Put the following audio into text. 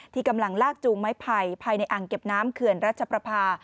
กำลังลากจูงไม้ไผ่ภายในอ่างเก็บน้ำเขื่อนรัชประพา